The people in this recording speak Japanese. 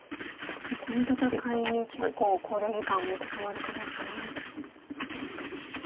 この戦いに結構考慮時間を使われてますね。